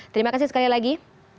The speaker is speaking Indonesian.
terima kasih sekali lagi